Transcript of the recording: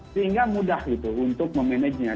sehingga mudah gitu untuk memanagenya